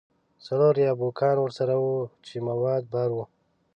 څلور یا بوګان ورسره وو چې مواد بار وو.